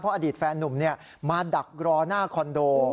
เพราะอดีตแฟนนุ่มเนี่ยมาดักรอหน้าคอนโด